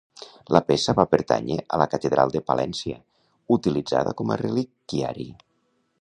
La peça va pertànyer a la Catedral de Palència utilitzada com a reliquiari.